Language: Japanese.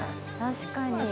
確かに。